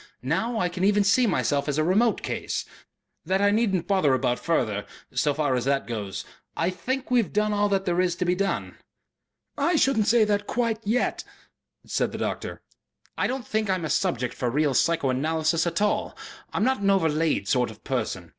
Now I can even see myself as a remote Case. That I needn't bother about further.... So far as that goes, I think we have done all that there is to be done." "I shouldn't say that quite yet," said the doctor. "I don't think I'm a subject for real psychoanalysis at all. I'm not an overlaid sort of person.